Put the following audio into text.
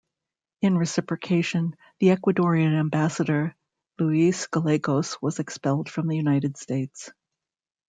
In reciprocation, the Ecuadorian ambassador Luis Gallegos was expelled from the United States.